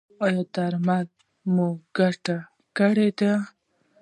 ایا درمل مو ګټه کړې ده؟